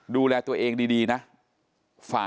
ดูแลตัวเองดีนะ